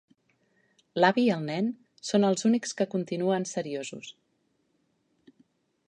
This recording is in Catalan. L'avi i el nen són els únics que continuen seriosos.